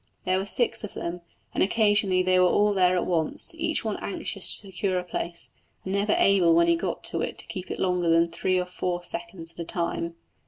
There were six of them, and occasionally they were all there at once, each one anxious to secure a place, and never able when he got one to keep it longer than three or four seconds at a time.